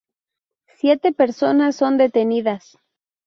Siete personas son detenidas.